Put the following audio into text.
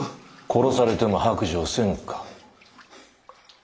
殺されても白状せぬか。